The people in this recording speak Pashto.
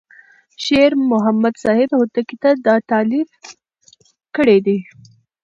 شیر محمد صاحب هوتکی دا تألیف کړی دی.